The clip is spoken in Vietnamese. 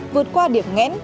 vượt qua điểm nghẽn